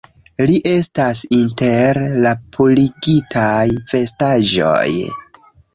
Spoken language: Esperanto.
Li estas inter la purigitaj vestaĵoj